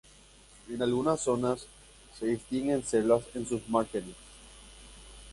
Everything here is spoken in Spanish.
En algunas zonas, se distinguen selvas en sus márgenes.